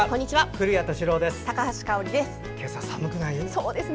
古谷敏郎です。